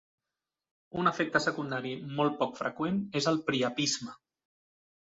Un efecte secundari molt poc freqüent és el priapisme.